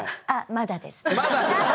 まだです。